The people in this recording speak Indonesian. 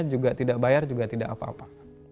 juga tidak bayar juga tidak apa apa